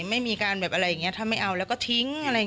ไม่มีการแบบอะไรอย่างนี้ถ้าไม่เอาแล้วก็ทิ้งอะไร